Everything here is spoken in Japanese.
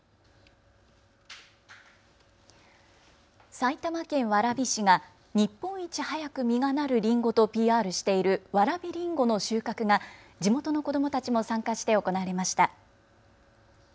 埼玉県蕨市が日本一早く実がなるりんごとＰＲしているわらびりんごの収穫が地元の子どもたちも参加して行われました。